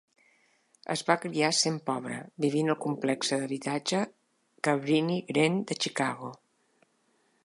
Es va criar sent pobre, vivint al complexe d'habitatges Cabrini-Green de Chicago.